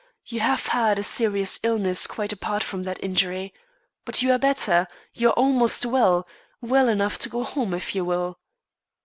You have had a serious illness quite apart from that injury. But you are better; you are almost well well enough to go home, if you will."